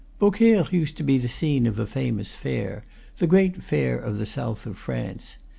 Beaucaire used to be the scene of a famous fair, the great fair of the south of France.